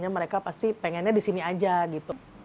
mereka pasti pengennya disini aja gitu